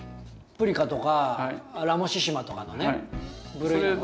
プリカとかラモシシマとかのね部類なの？